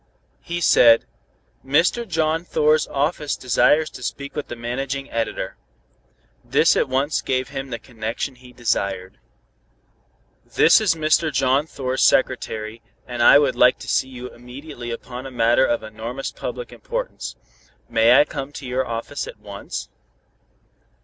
He said: "Mr. John Thor's office desires to speak with the Managing Editor." This at once gave him the connection he desired. "This is Mr. John Thor's secretary, and I would like to see you immediately upon a matter of enormous public importance. May I come to your office at once?"